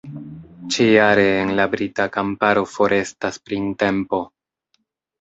Ĉi-jare en la brita kamparo forestas printempo.